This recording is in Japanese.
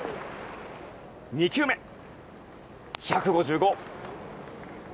２球目、１５５。